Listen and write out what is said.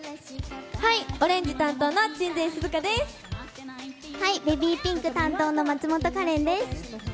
オレンジ担当の鎮西寿々歌でベビーピンク担当の松本かれんです。